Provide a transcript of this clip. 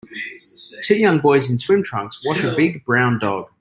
Two young boys in swim trunks wash a big, brown dog.